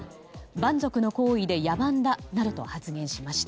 蛮族の行為で野蛮だなどと発言しました。